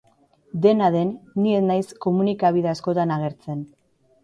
Dena den, ni ez naiz komunikabide askotan agertzen.